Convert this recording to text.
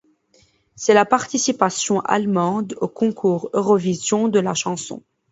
C'est la participation allemande au Concours Eurovision de la chanson.